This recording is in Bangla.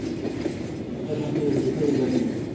এ প্রসঙ্গে ইবলীসের উল্লেখ নেই।